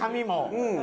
うん。